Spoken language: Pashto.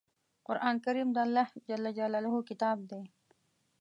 قرآن کریم د الله ﷺ کتاب دی.